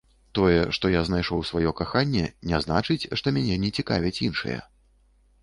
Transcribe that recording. Тое, што я знайшоў сваё каханне, не значыць, што мяне не цікавяць іншыя.